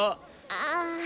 ああ。